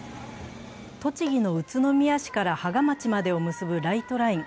栃木の宇都宮市から芳賀町までを結ぶライトライン。